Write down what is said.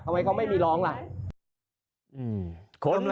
ทำไมเขาไม่มีร้องล่ะ